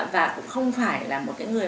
và cũng không phải là một cái người